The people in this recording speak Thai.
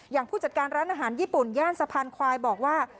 ผู้จัดการร้านอาหารญี่ปุ่นย่านสะพานควายบอกว่า